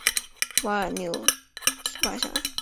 沙尔穆瓦尔。